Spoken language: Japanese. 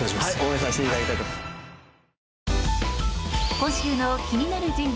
今週の気になる人物